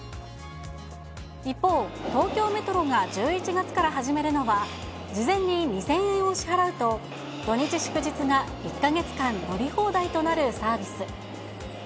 一方、東京メトロが１１月から始めるのは、事前に２０００円を支払うと、土日祝日が１か月間乗り放題となるサービス。